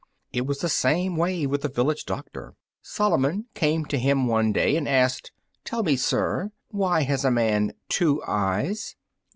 It was the same way with the village doctor. Solomon came to him one day and asked, "Tell me, sir, why has a man two eyes?"